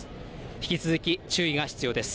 引き続き注意が必要です。